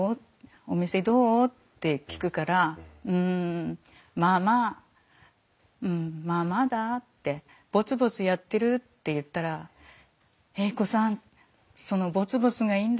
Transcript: お店どう？」って聞くから「うんまあまあうんまあまあだ」って「ぼつぼつやってる」って言ったら「栄子さんそのぼつぼつがいいんだよ。